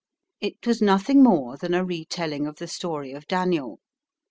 It was nothing more than a re telling of the story of Daniel.